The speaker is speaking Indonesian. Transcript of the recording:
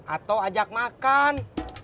atau ajak makan